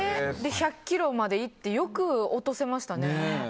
１００ｋｇまでいってよく落とせましたね。